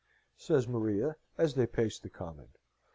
says Maria, as they paced the common.